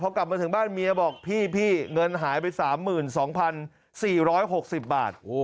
กลับมาถึงบ้านเมียบอกพี่เงินหายไป๓๒๔๖๐บาท